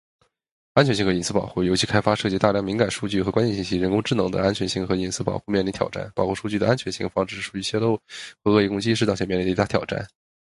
安全性和隐私保护：油气开发涉及大量敏感数据和关键信息，人工智能系统的安全性和隐私保护面临挑战。保护数据的安全性，防止数据泄露和恶意攻击是当前面临的一大挑战。